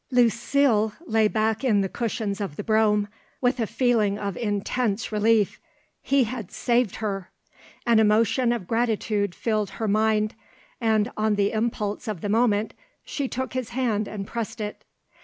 Lucile lay back in the cushions of the brougham with a feeling of intense relief. He had saved her. An emotion of gratitude filled her mind, and on the impulse of the moment she took his hand and pressed it.